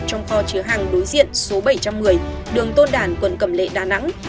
trong kho chứa hàng đối diện số bảy trăm một mươi đường tôn đản quận cẩm lệ đà nẵng